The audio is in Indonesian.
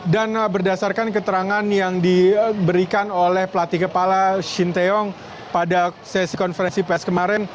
dan berdasarkan keterangan yang diberikan oleh pelatih kepala shin taeyong pada sesi konferensi pes kemarin